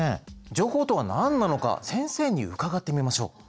情報とは何なのか先生に伺ってみましょう。